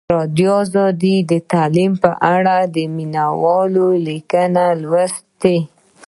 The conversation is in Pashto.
ازادي راډیو د تعلیم په اړه د مینه والو لیکونه لوستي.